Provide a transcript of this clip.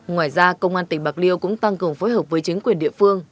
ngoài ra công an tỉnh bạc liêu cũng tăng cường phối hợp với chính quyền địa phương